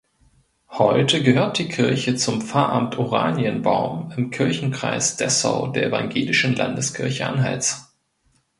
Heute gehört die Kirche zum Pfarramt Oranienbaum im Kirchenkreis Dessau der Evangelischen Landeskirche Anhalts.